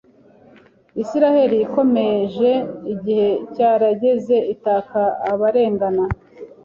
Isiraheli ikomeje Igihe cyarageze itaka abarengana